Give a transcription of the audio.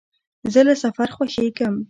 زه له سفر خوښېږم.